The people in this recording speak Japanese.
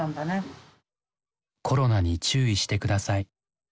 「コロナに注意してください」。